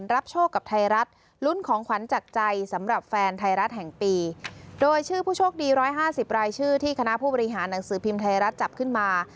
รายชื่อที่คณะผู้บริหารหนังสือพิมพ์ไทยรัฐจับขึ้นมา